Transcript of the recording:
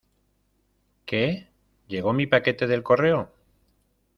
¿ Qué? ¿ llego mi paquete del correo ?